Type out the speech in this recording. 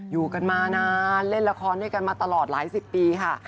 อยู่กันมานานเล่นละครด้วยกันมาตลอดหลายสิบปีค่ะ